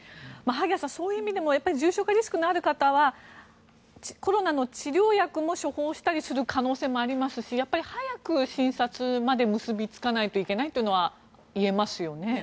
萩谷さん、そういう意味でも重症化リスクのある方はコロナの治療薬も処方したりする可能性もありますし早く診察まで結びつかないといけないというのはいえますよね。